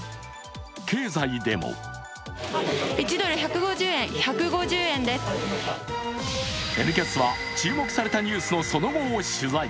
経済でも「Ｎキャス」は注目されたニュースのその後を取材。